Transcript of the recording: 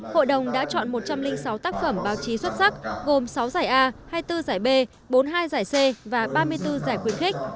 hội đồng đã chọn một trăm linh sáu tác phẩm báo chí xuất sắc gồm sáu giải a hai mươi bốn giải b bốn mươi hai giải c và ba mươi bốn giải khuyến khích